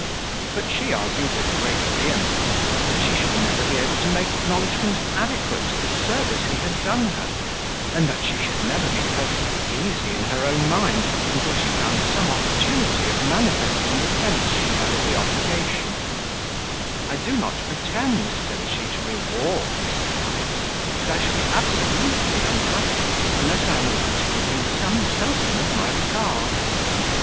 But she argued, with great vehemence, that she should never be able to make acknowledgment adequate to the service he had done her, and that she should never be perfectly easy in her own mind until she found some opportunity of manifesting the sense she had of the obligation: "I do not pretend," said she, "to reward Mr. Pipes; but I shall be absolutely unhappy, unless I am allowed to give him some token of my regard."